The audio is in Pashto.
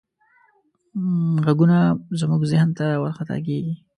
غږونه زموږ ذهن ته ورخطا کېږي.